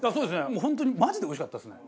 もう本当にマジでおいしかったですね。